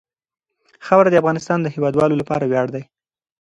خاوره د افغانستان د هیوادوالو لپاره ویاړ دی.